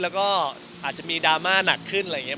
แล้วก็อาจจะมีดราม่าหนักขึ้นอะไรอย่างนี้